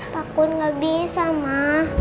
takut gak bisa ma